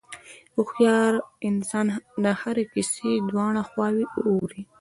هوښیار انسان د هرې کیسې دواړه خواوې اوري.